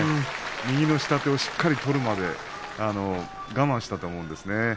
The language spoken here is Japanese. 右の下手をしっかり取るまで我慢したと思うんですね。